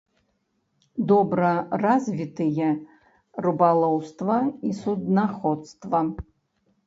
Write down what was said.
Добра развітыя рыбалоўства і суднаходства.